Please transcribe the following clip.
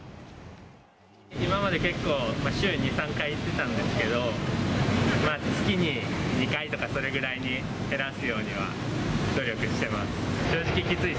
今まで結構、週２、３回、行ってたんですけど、まあ、月に２回とか、それぐらいに減らすようには努力してます。